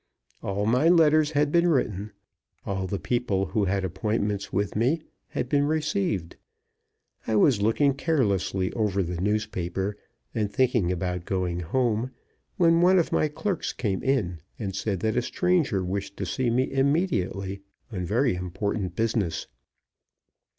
All my letters had been written, all the people who had appointments with me had been received. I was looking carelessly over the newspaper, and thinking about going home, when one of my clerks came in, and said that a stranger wished to see me immediately on very important business.